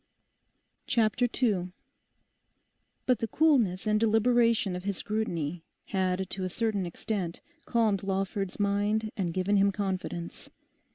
CHAPTER TWO But the coolness and deliberation of his scrutiny, had to a certain extent calmed Lawford's mind and given him confidence.